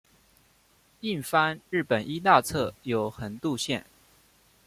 印幡日本医大侧有横渡线。